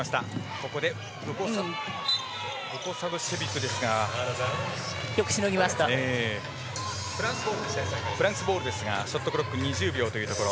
ここでブコサブジェビクですがフランスボールですがショットブロック２０秒というところ。